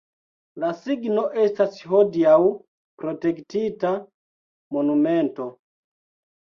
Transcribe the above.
La signo estas hodiaŭ protektita monumento.